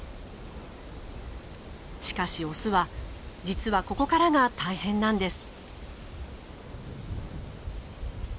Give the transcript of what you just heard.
しかしオスは実はここからが大変なんです。